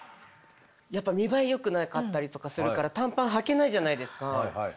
やっぱ見栄えよくなかったりとかするから短パンはけないじゃないですか。